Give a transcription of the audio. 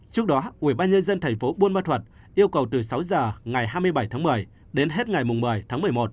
trước đó ubnd tp buôn ma thuật yêu cầu từ sáu giờ ngày hai mươi bảy tháng một mươi đến hết ngày một mươi tháng một mươi một